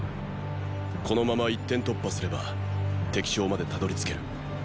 このまま一点突破すれば敵将までたどりつける。